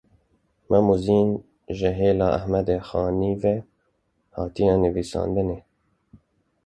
Mem û Zîn ji hêla Ehmedê Xanê ve hatiye nivîsandin e